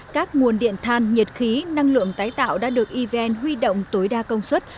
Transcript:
các nguồn điện than nhiệt khí năng lượng tái tạo đã được evn huy động tối đa công suất